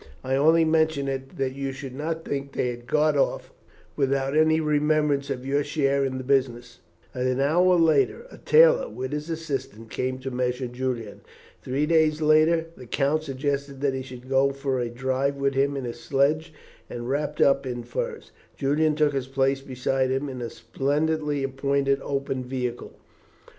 I only mention it that you should not think they had gone off without any remembrance of your share in the business." An hour later, a tailor with his assistant came to measure Julian. Three days later, the Count suggested that he should go for a drive with him in his sledge, and, wrapped up in furs, Julian took his place beside him in a splendidly appointed open vehicle.